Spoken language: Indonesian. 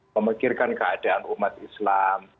memikirkan keadaan umat islam